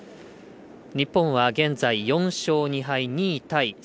日本は現在４勝２敗、２位タイ。